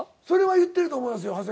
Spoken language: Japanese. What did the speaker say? それは言ってると思いますよ。